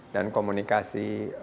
dan komunikasi politik antara pks